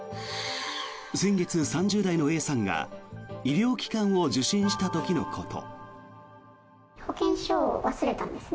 先月、３０代のＡさんが医療機関を受診した時のこと。